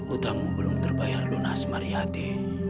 utamu belum terbayar dunas mariati